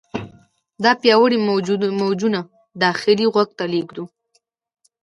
دا پیاوړي موجونه داخلي غوږ ته لیږدوي.